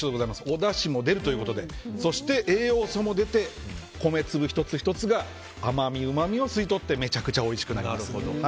おだしも出るということでそして栄養素も出て米粒１つ１つが甘み、うまみを吸い取ってめちゃくちゃおいしくなります。